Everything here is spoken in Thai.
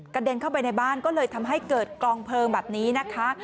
เด็นเข้าไปในบ้านก็เลยทำให้เกิดกลองเพลิงแบบนี้นะคะ